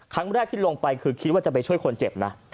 ครั้งแรกที่ลงไปคือคิดว่าจะไปช่วยคนเจ็บนะ